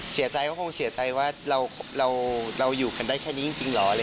เสียใจก็คงเสียใจว่าเราอยู่กันได้แค่นี้จริงเหรอ